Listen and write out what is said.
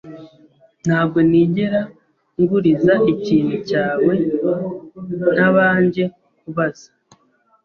Ntabwo nigera nguriza ikintu cyawe ntabanje kubaza.